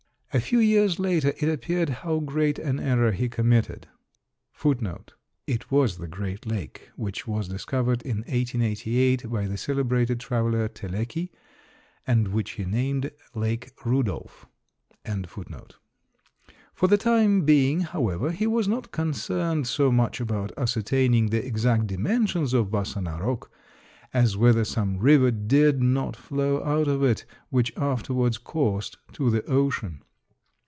A few years later it appeared how great an error he committed* [* It was the great lake which was discovered in 1888 by the celebrated traveler Teleki and which he named Lake Rudolf.]. For the time being, however, he was not concerned so much about ascertaining the exact dimensions of Bassa Narok as whether some river did not flow out of it, which afterwards coursed to the ocean.